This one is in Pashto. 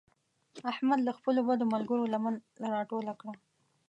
احمد له خپلو بدو ملګرو لمن راټوله کړه.